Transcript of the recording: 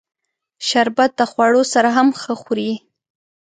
شربت د خوړو سره هم ښه خوري